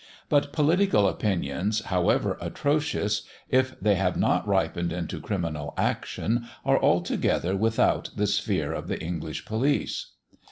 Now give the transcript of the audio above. But political opinions, however atrocious, if they have not ripened into criminal action, are altogether without the sphere of the English police.